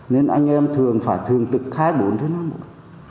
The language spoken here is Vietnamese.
nên anh em thường phải thương tực khái bốn thứ năm